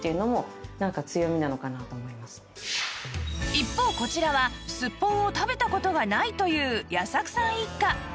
一方こちらはすっぽんを食べた事がないという矢作さん一家